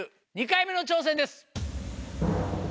２回目の挑戦です。